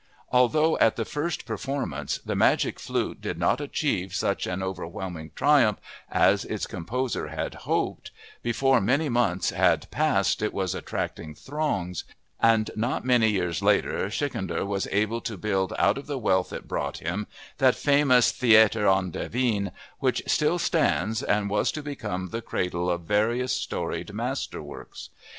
Although at the first performance The Magic Flute did not achieve such an overwhelming triumph as its composer had hoped, before many months had passed it was attracting throngs; and not many years later Schikaneder was able to build out of the wealth it brought him that famous Theater an der Wien which still stands and was to become the cradle of various storied masterworks.